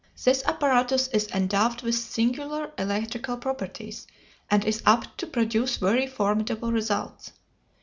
This apparatus is endowed with singular electrical properties, and is apt to produce very formidable results.